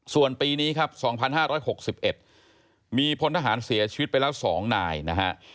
ส่วนปีนี้ครับ๒๕๖๑มีพลทหารเสียชีวิตไปแล้ว๒นายนะฮะ